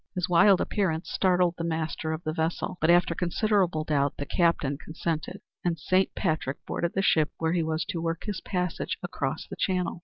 His wild appearance startled the master of the vessel, but after considerable doubt the captain consented, and Saint Patrick boarded the ship where he was to work his passage across the channel.